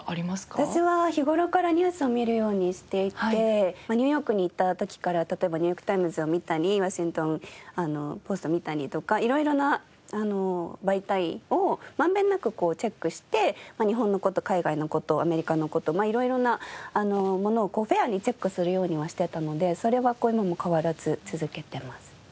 私は日頃からニュースを見るようにしていてニューヨークにいた時から例えば『ニューヨーク・タイムズ』を見たり『ワシントン・ポスト』を見たりとか色々な媒体を満遍なくチェックして日本の事海外の事アメリカの事色々なものをフェアにチェックするようにはしてたのでそれは今も変わらず続けてます。